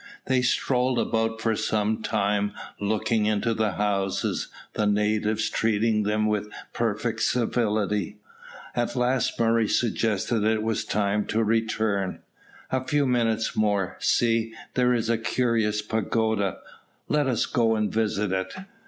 They strolled about for some time, looking into the houses, the natives treating them with perfect civility. At last Murray suggested that it was time to return. "A few minutes more. See, there is a curious pagoda, let us go and visit it."